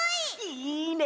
いいね！